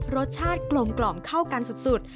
รสชาติกลมเข้ากันสุด